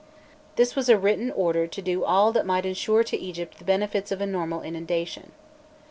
This was a written order to do all that might insure to Egypt the benefits of a normal inundation.